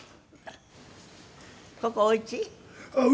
ここお家？